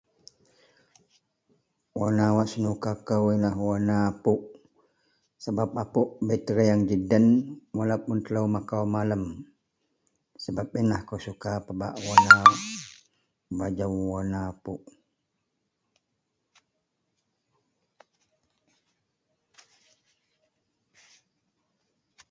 warna wak senuka kou ienlah warna apuk, sebab apuk bei terang ji den walaupun telou makau malam sebab yenlah akou suka pebak warna.. bajou warna apuk